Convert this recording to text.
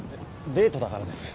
デッデートだからです。